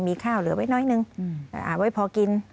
มีข้าวเหลือไว้น้อยนึงไว้พอกิน